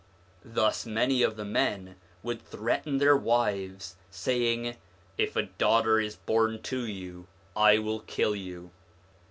1 Thus many of the men would threaten their wives, saying, ' If a daughter is born to you, I will kill you.'